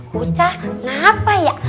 bocah ngapa ya